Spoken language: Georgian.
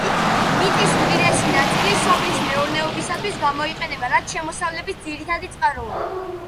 მიწის უდიდესი ნაწილი სოფლის მეურნეობისათვის გამოიყენება, რაც შემოსავლების ძირითადი წყაროა.